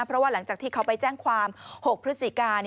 เพราะว่าหลังจากที่เขาไปแจ้งความ๖พฤศจิกา